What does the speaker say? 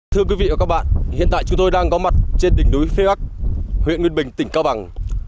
thưa quý vị và các bạn hiện tại chúng tôi đang có mặt trên đỉnh núi phía ắc huyện nguyên bình tỉnh cao bằng